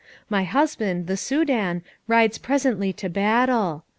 My husband, the Soudan, rides presently to battle.